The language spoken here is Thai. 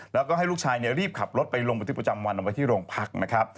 แล้วก็ให้ลูกชายรีบขับรถไปลงบุตรประจำวันลงไปที่โรงพรรค